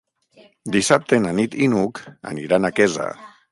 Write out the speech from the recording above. Dissabte na Nit i n'Hug aniran a Quesa.